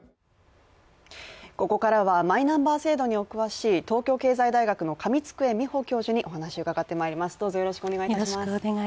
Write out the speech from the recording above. ここからは、マイナンバー制度にお詳しい東京経済大学の上机美穂教授にお話を伺ってまいります。